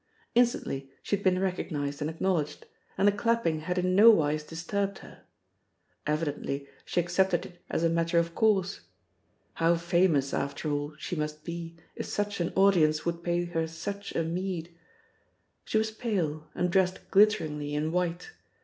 Instantly she had been recognised and acknowledged, and the clapping had in nowise disturbed her. Evidently she accepted it as a matter of course. How famous, after all, she must be, if such an audience would pay her such a meed! She was pale, and dressed glitteringly in white.